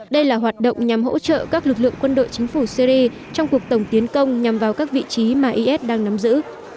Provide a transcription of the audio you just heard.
đây là hoạt động nhằm hỗ trợ các lực lượng quân đội chính phủ syri trong cuộc tổng tiến công nhằm vào các vị trí mà is đang nắm giữ